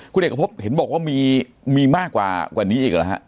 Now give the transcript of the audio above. คุณเอกพบเห็นบอกว่ามีมากกว่านี้อีกหรือฮะ